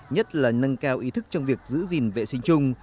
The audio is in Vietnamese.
nhất là nâng cao ý thức trong việc giữ gìn vệ sinh chung